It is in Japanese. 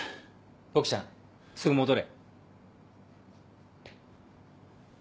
ボクちゃんすぐ戻れ。